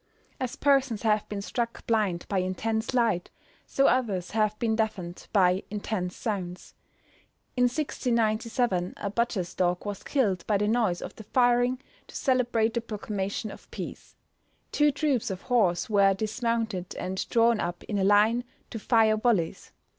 As persons have been struck blind by intense light, so others have been deafened by intense sounds. In 1697 a butcher's dog was killed by the noise of the firing to celebrate the proclamation of peace. Two troops of horse were dismounted, and drawn up in a line to fire volleys.